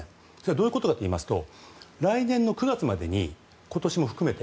どういうことかといいますと来年の９月までに今年も含めて。